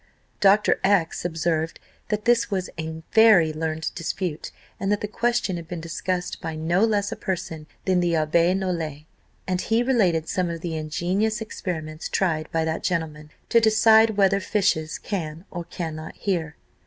Dr. X observed, that this was a very learned dispute, and that the question had been discussed by no less a person than the Abbé Nollet; and he related some of the ingenious experiments tried by that gentleman, to decide whether fishes can or cannot hear.